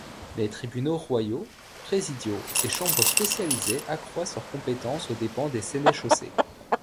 Les tribunaux royaux, présidiaux, et chambres spécialisées accroissent leurs compétences aux dépens des sénéchaussées.